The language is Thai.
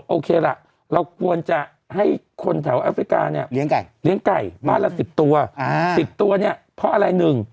โอเคล่ะเราควรจะให้คนแถวแอฟริกาเนี่ยเลี้ยงไก่บ้านละ๑๐ตัว๑๐ตัวเนี่ยเพราะอะไรหนึ่ง